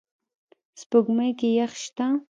سپوږمۍ کې یخ شته